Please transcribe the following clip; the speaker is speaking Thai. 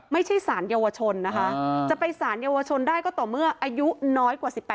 ไม่ใช่สารเยาวชนนะคะจะไปสารเยาวชนได้ก็ต่อเมื่ออายุน้อยกว่า๑๘